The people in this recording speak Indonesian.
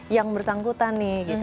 yang bersangkutan nih